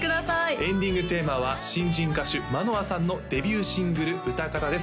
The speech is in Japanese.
エンディングテーマは新人歌手舞乃空さんのデビューシングル「うたかた」です